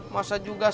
masa juga siapa